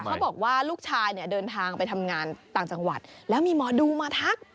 เขาบอกว่าลูกชายเนี่ยเดินทางไปทำงานต่างจังหวัดแล้วมีหมอดูมาทัก